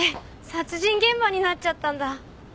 殺人現場になっちゃったんだ。